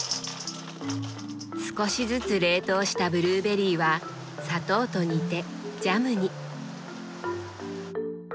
少しずつ冷凍したブルーベリーは砂糖と煮てジャムに。